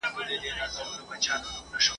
نه پیران یې وه په یاد نه خیراتونه !.